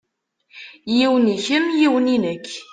Yiwen i kemm yiwen i nekk.